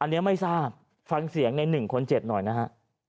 อันนี้ไม่ทราบฟังเสียงในหนึ่งคนเจ็บหน่อยนะฮะ